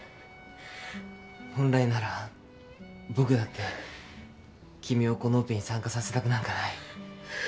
本来なら僕だって君をこのオペに参加させたくなんかない。